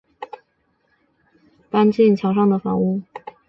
两人婚后搬进桥上的房屋。